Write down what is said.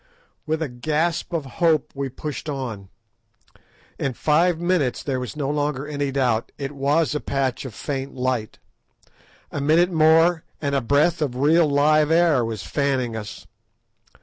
With a gasp of hope we pushed on. In five minutes there was no longer any doubt; it was a patch of faint light. A minute more and a breath of real live air was fanning us.